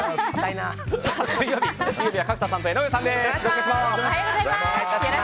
水曜日は角田さん、江上さんです。